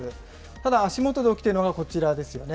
ただ、足元で起きているのがこちらですよね。